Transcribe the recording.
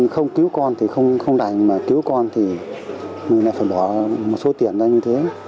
không cứu con thì không đành mà cứu con thì mình lại phải bỏ một số tiền ra như thế